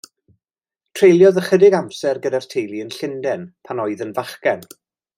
Treuliodd ychydig amser gyda'r teulu yn Llundain, pan oedd yn fachgen.